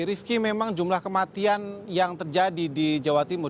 rifki memang jumlah kematian yang terjadi di jawa timur